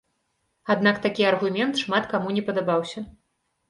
Аднак такі аргумент шмат каму не падабаўся.